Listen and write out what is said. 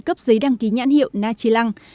cấp giấy đăng ký nhãn hiệu na trí lăng